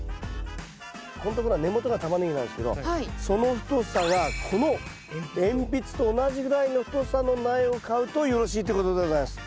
ここんところが根元がタマネギなんですけどその太さがこの鉛筆と同じぐらいの太さの苗を買うとよろしいってことでございます。